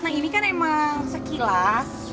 nah ini kan emang sekilas